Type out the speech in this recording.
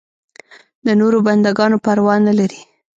د نورو بنده ګانو پروا نه لري.